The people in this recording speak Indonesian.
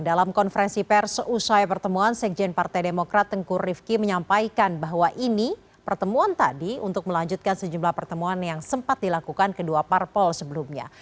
dalam konferensi pers seusai pertemuan sekjen partai demokrat tengkur rifki menyampaikan bahwa ini pertemuan tadi untuk melanjutkan sejumlah pertemuan yang sempat dilakukan kedua parpol sebelumnya